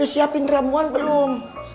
udah siapin ramuan belum